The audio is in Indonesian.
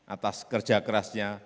atas kerja kerasnya